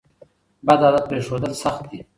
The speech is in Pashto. بد عادت پریښودل سخت دي.